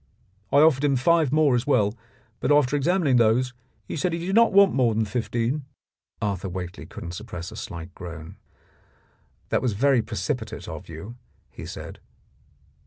I offered him five more as well, but after examining those he said he did not want more than fifteen." Arthur Whately couldn't suppress a slight groan. "That was very precipitate of you," he said.